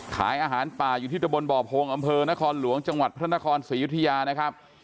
ขายอาหารป่าอยู่ที่ตะบนบ่อพงอำเภอนครหลวงจังหวัดพระนครศรียุธยานะครับ